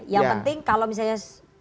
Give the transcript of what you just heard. yang penting kalau misalnya